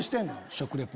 食リポ。